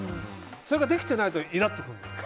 それができてないとイラッとくるの。